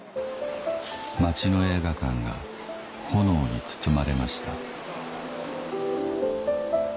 街の映画館が炎に包まれました